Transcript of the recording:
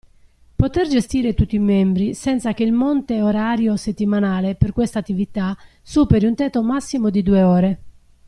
Poter gestire tutti i membri senza che il monte orario settimanale per questa attività superi un tetto massimo di due ore.